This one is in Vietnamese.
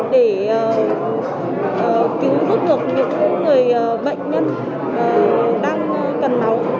để cứu giúp được những người bệnh nhân đang cần máu